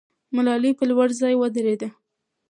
ملالۍ په لوړ ځای ودرېده.